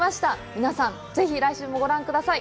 皆さん、ぜひ来週もご覧ください。